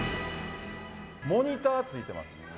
モニター、ついてます。